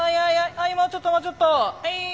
はいもうちょっともうちょっと。